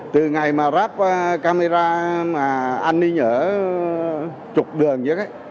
từ ngày mà ráp camera an ninh ở chục đường